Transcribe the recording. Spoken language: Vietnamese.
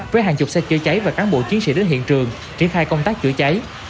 với hàng chục xe chữa cháy và cán bộ chiến sĩ đến hiện trường triển khai công tác chữa cháy